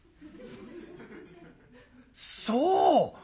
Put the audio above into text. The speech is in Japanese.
「そう！